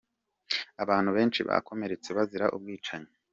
Abantu benshi bakomeretse bazira ubu bwicanyi .